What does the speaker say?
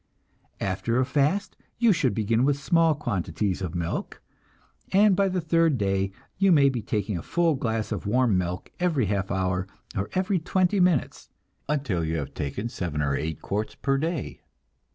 After a fast you should begin with small quantities of milk, and by the third day you may be taking a full glass of warm milk every half hour or every twenty minutes, until you have taken seven or eight quarts per day.